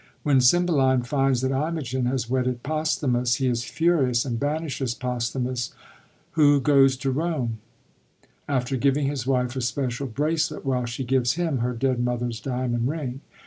When Cymbeline finds that Imogen has wedded Posthumus, he is furious, and banishes Posthumus, who goes to Rome, after giving his wife a special bracelet, while she g^ves him her dead mother's diamond ring.